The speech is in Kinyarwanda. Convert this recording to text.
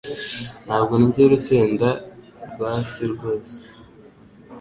Ntabwo ndya urusenda rwatsi rwose